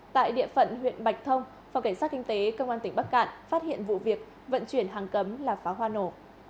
tại địa phận huyện bạch thông phòng cảnh sát kinh tế công an tỉnh bắc cạn phát hiện vụ việc vận chuyển hàng cấm là pháo hoa nổ